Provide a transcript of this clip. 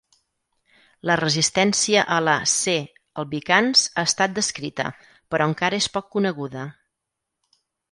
La resistència a la C. albicans ha estat descrita, però encara és poc coneguda.